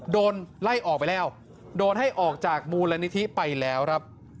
โดนไล่ออกไปแล้วโดนให้ออกจากมูลนิธิไปแล้วครับ